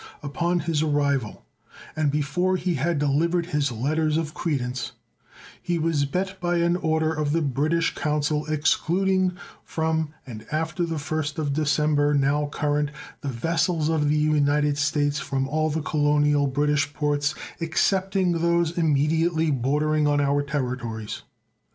Upon his arrival, and before he had delivered his letters of credence, he was bet by an order of the British council excluding from and after the first of December now current the vessels of the United States from all the colonial British ports excepting those immediately bordering on our territories.